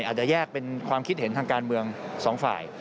อาจจะแยกเป็นความคิดเห็นทางการเมืองสองฝ่าย